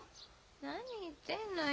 何言ってんのよ